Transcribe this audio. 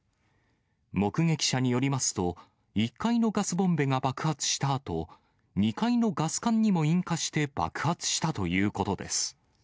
目撃者によりますと、１階のガスボンベが爆発したあと、２階のガス管にも引火して爆発したということです。